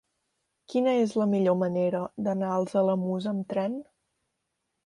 Quina és la millor manera d'anar als Alamús amb tren?